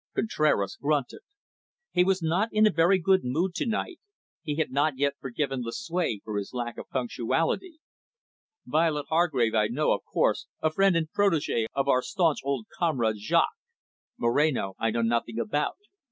Contraras grunted. He was not in a very good mood to night; he had not yet forgiven Lucue for his lack of punctuality. "Violet Hargrave I know, of course, a friend and protegee of our staunch old comrade Jaques. Moreno I know nothing about.